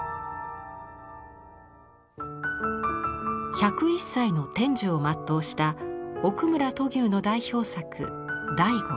１０１歳の天寿を全うした奥村土牛の代表作「醍醐」。